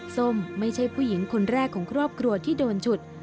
ส้มไม่ใช่ผู้หญิงคนแรกของครอบครัวที่โดนฉุด